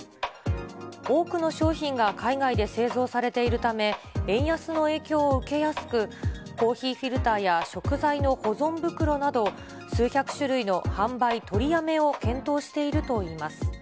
多くの商品が海外で製造されているため、円安の影響を受けやすく、コーヒーフィルターや食材の保存袋など、数百種類の販売取りやめを検討しているといいます。